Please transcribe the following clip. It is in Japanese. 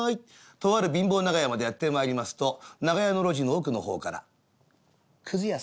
とある貧乏長屋までやって参りますと長屋の路地の奥の方から「くず屋さんくず屋さん」。